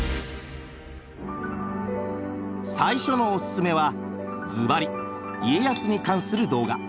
最初のおすすめはずばり家康に関する動画。